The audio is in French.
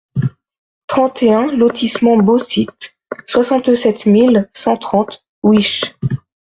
trente et un lotissement Beau-Site, soixante-sept mille cent trente Wisches